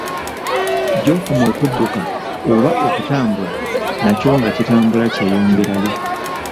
Gy'okoma okudduka, oba okutambula, nakyo nga kitambula kyeyongerayo.